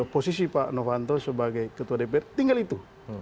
posisi pak novanto sebagai ketua dpr tinggal itu